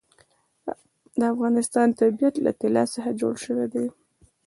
د افغانستان طبیعت له طلا څخه جوړ شوی دی.